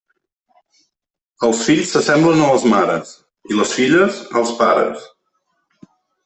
Els fills s'assemblen a les mares, i les filles, als pares.